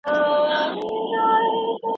خو مجذوب په کار دی